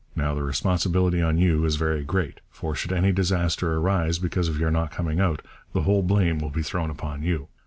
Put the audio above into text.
Now, the responsibility on you is very great, for should any disaster arise because of your not coming out, the whole blame will be thrown upon you.